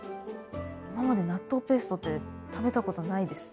今まで納豆ペーストって食べたことないです。